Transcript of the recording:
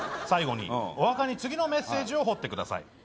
最後にお墓に次のメッセージを彫ってください。